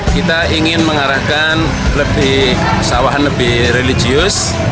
kita ingin mengarahkan sawahan lebih religius